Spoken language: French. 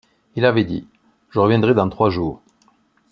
Il avait dit : Je reviendrai dans trois jours.